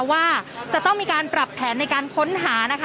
ว่าจะต้องมีการปรับแผนในการค้นหานะคะ